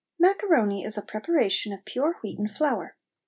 Macaroni is a preparation of pure wheaten flour.